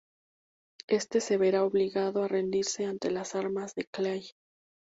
Éste se verá obligado a rendirse ante las armas de Clay.